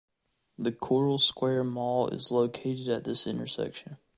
The Coral Square mall is located at this intersection.